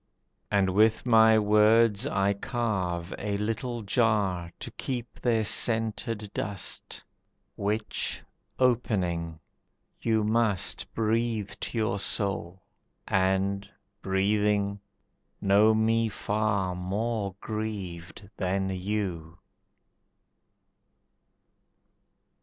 And with my words I carve a little jar To keep their scented dust, Which, opening, you must Breathe to your soul, and, breathing, know me far More grieved than you.